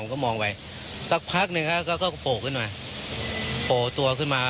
ก็มองไปสักพักหนึ่งเขาก็โผล่ขึ้นมาโผล่ตัวขึ้นมา